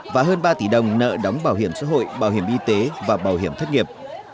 và hơn ba tỷ đồng nợ đóng bảo hiểm xã hội bảo hiểm y tế và bảo hiểm thất nghiệp